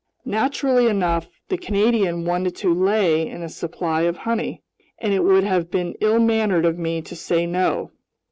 Naturally enough, the Canadian wanted to lay in a supply of honey, and it would have been ill mannered of me to say no.